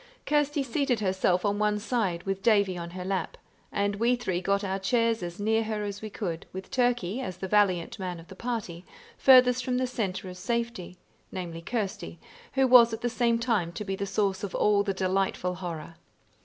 Kirsty seated herself on one side with Davie on her lap, and we three got our chairs as near her as we could, with Turkey, as the valiant man of the party, farthest from the centre of safety, namely Kirsty, who was at the same time to be the source of all the delightful horror.